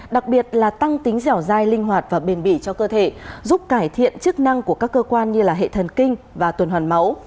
đặc biệt là tăng tính dẻo dai linh hoạt và bền bỉ cho cơ thể giúp cải thiện chức năng của các cơ quan như hệ thần kinh và tuần hoàn máu